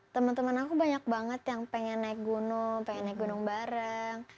teman teman aku banyak banget yang pengen naik gunung pengen naik gunung bareng